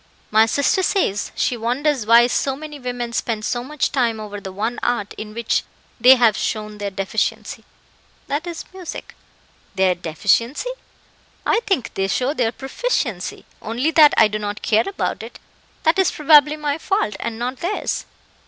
"My sister says, she wonders why so many women spend so much time over the one art in which they have shown their deficiency that is, music." "Their deficiency? I think they show their proficiency, only that I do not care about it; that is probably my fault, and not theirs."